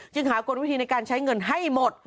หากลวิธีในการใช้เงินให้หมด